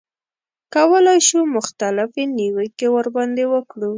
کولای شو مختلفې نیوکې ورباندې وکړو.